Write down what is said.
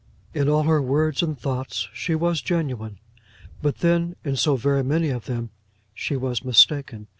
In all her words and thoughts she was genuine; but, then, in so very many of them she was mistaken!